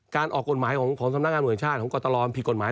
ออกกฎหมายของสำนักงานเมืองชาติของกรตลผิดกฎหมาย